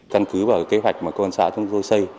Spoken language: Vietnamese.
căn cứ vào kế hoạch mà công an xã chúng tôi xây